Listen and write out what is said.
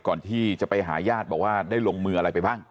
ก่อนที่จะไปหาญาติบอกว่าได้ลงมืออะไรไปบ้าง